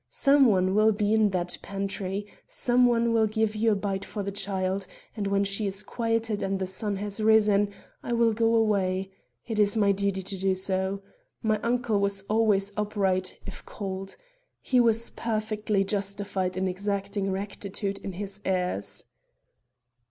Some one will be in that pantry. Some one will give you a bite for the child; and when she is quieted and the sun has risen, I will go away. It is my duty to do so. My uncle was always upright, if cold. He was perfectly justified in exacting rectitude in his heirs."